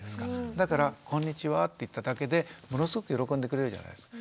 だから「こんにちは」って言っただけでものすごく喜んでくれるじゃないですか。